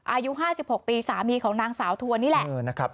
อายุ๕๖ปีสามีของนางสาวทวนนี่แหละ